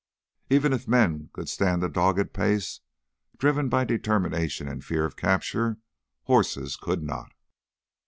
Even if men could stand that dogged pace, driven by determination and fear of capture, horses could not.